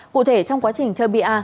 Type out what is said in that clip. cụ thể trong quá trình chơi pa